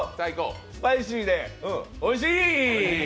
スパイシーで、おいしー。